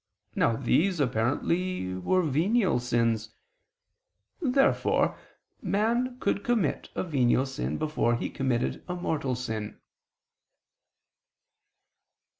Now these apparently were venial sins. Therefore man could commit a venial sin before he committed a mortal sin.